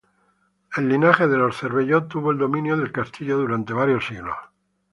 El linaje de los Cervelló tuvo el dominio del castillo durante varios siglos.